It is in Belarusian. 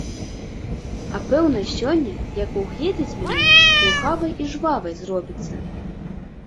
А пэўна сёння, як угледзіць мяне, рухавай і жвавай зробіцца.